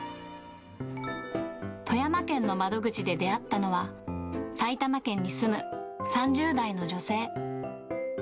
富山県の窓口で出会ったのは、埼玉県に住む３０代の女性。